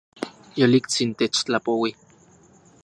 Yoliktsin techtlapoui